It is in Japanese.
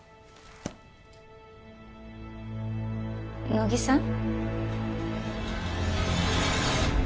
乃木さん？